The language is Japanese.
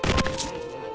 あっ！